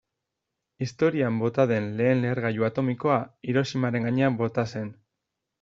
Historian bota den lehen lehergailu atomikoa Hiroshimaren gainean bota zen.